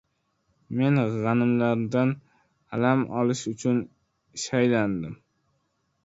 Men g‘animlarimdan alam olish uchun shaylandim.